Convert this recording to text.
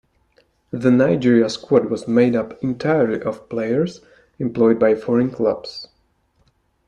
The Nigeria squad was made up entirely of players employed by foreign clubs.